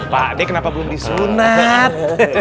pak ade kenapa belum disunat